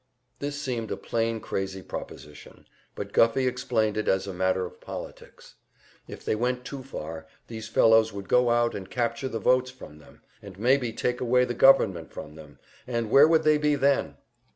This seemed a plain crazy proposition; but Guffey explained it as a matter of politics. If they went too far, these fellows would go out and capture the votes from them, and maybe take away the government from them, and where would they be then?